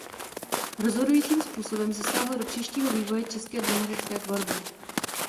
Rozhodujícím způsobem zasáhla do příštího vývoje české dramatické tvorby.